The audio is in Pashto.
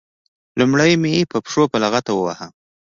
لومړی مې په پښو په لغته وواهه.